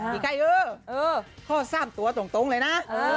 ไอ้ไข่เออข้อสร้ำตัวตรงเลยนะ